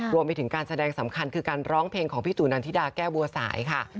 รวมไปถึงการแสดงสำคัญคือการร้องเพลงของพี่ตู่นันทิดาแก้วบัวสายค่ะ